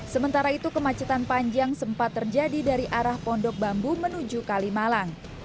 sementara itu kemacetan panjang sempat terjadi dari arah pondok bambu menuju kalimalang